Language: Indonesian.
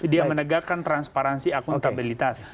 dia menegakkan transparansi akuntabilitas